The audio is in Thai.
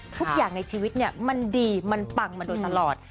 ทุกอย่างในชีวิตเนี่ยมันดีมันปังมาโดยตลอด